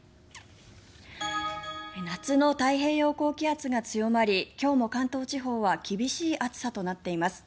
夏の太平洋高気圧が強まり今日も関東地方は厳しい暑さとなっています。